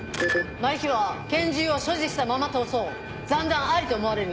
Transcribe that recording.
マルヒは拳銃を所持したまま逃走残弾ありと思われる。